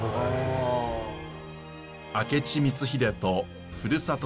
明智光秀とふるさと